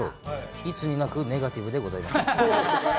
いつになくネガティブでございます。